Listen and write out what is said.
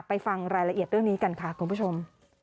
ฟังรายละเอียดเรื่องนี้กันค่ะคุณผู้ชม